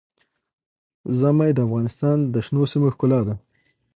ژمی د افغانستان د شنو سیمو ښکلا ده.